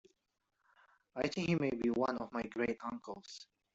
I think he may be one of my great uncles.